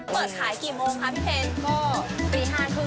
เปิดขายกี่โมงค่ะพี่เทน